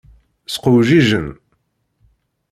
Sqewjijen.